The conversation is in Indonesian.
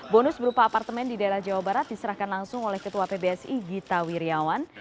bonus berupa apartemen di daerah jawa barat diserahkan langsung oleh ketua pbsi gita wirjawan